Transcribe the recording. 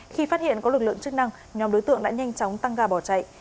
khi phát hiện có lực lượng chức năng nhóm đối tượng đã nhanh chóng tăng ga bỏ chạy